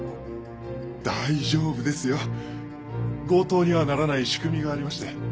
「大丈夫ですよ」「強盗にはならない仕組みがありまして」